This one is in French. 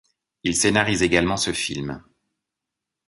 Il scénarise également ce film.